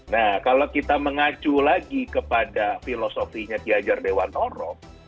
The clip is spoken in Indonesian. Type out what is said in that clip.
nah kalau kita mengacu lagi kepada filosofinya ki hajar dewan noro